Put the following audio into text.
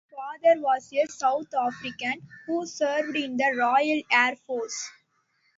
His father was a South African who served in the Royal Air Force.